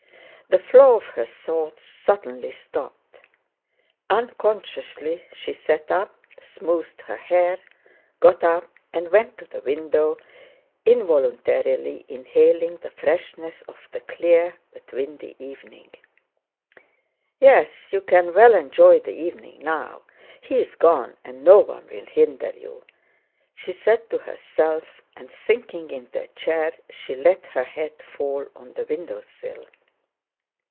The flow of her thoughts suddenly stopped. Unconsciously she sat up, smoothed her hair, got up, and went to the window, involuntarily inhaling the freshness of the clear but windy evening. "Yes, you can well enjoy the evening now! He is gone and no one will hinder you," she said to herself, and sinking into a chair she let her head fall on the window sill.